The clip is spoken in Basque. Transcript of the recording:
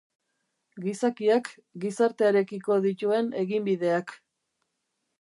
Gizakiak gizartearekiko dituen eginbideak.